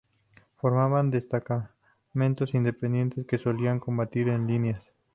Formaban destacamentos independientes que solían combatir en líneas.